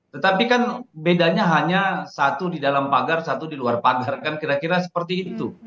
tetapi kan bedanya hanya satu di dalam pagar satu di luar pagar kan kira kira seperti itu